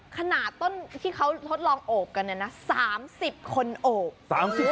ขนาดต้นที่เขาทดลองโอบกันเนี่ยนะ๓๐คนโอบ